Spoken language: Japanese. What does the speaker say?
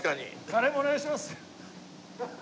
カレーもお願いします。